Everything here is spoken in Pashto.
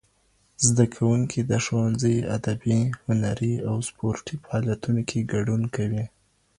زدهکوونکي د ښوونځي ادبي، هنري او سپورتي فعالیتونو کي ګډون کوي.